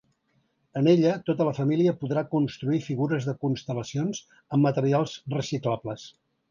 En ella, tota la família podrà construir figures de constel·lacions amb materials reciclables.